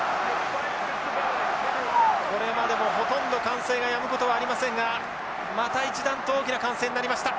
これまでもほとんど歓声がやむことはありませんがまた一段と大きな歓声になりました。